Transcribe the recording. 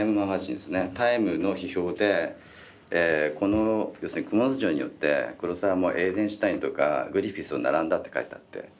「ＴＩＭＥ」の批評でこの要するに「蜘蛛巣城」によって黒澤はもうエイゼンシュテインとかグリフィスに並んだって書いてあって。